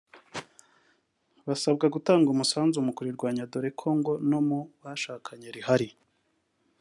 basabwa gutanga umusanzu mu kurirwanya dore ko ngo no mu bashakanye rihari